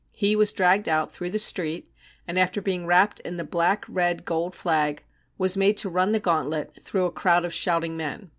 He was dragged out through the street and after being wrapped in the black red gold flag was made to run the gauntlet through a crowd of shouting men.